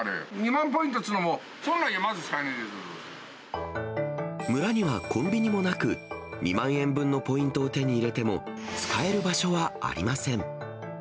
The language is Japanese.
２万ポイントっつうのも、村にはコンビニもなく、２万円分のポイントを手に入れても、使える場所はありません。